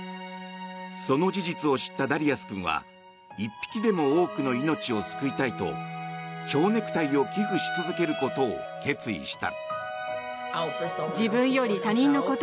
その事実を知ったダリアス君は１匹でも多くの命を救いたいと蝶ネクタイを寄付し続けることを決意した。